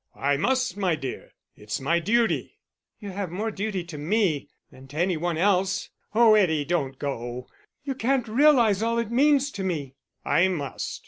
"I must, my dear; it's my duty." "You have more duty to me than to any one else.... Oh, Eddie, don't go. You can't realise all it means to me." "I must.